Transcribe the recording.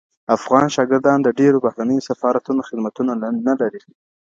افغان شاګردان د ډیرو بهرنیو سفارتونو خدمتونه نه لري.